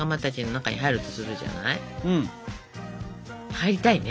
入りたいね